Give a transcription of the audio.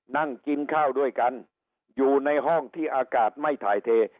นั่งกินข้าวด้วยกันอยู่ในห้องที่อากาศไม่ถ่ายเท